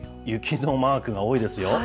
雪のマークが多いですよ。